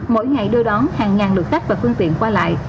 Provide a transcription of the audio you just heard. mỗi ngày đưa đón hàng ngàn lượt khách và phương tiện qua lại